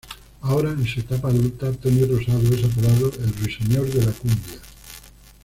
Ahora, en su etapa adulta, Tony Rosado es apodado "El ruiseñor de la cumbia".